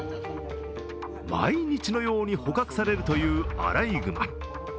毎日のように捕獲されるというアライグマ。